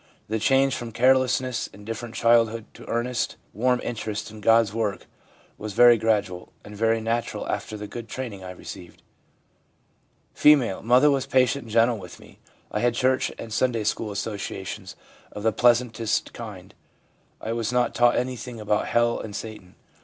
The change from careless, indifferent childhood to earnest, warm interest in God's work was very gradual and very natural after the good training I received.' F. ' Mother was patient and gentle with me. I had church and Sunday school associations of the pleasantest kind ; I was not taught anything about hell and Satan.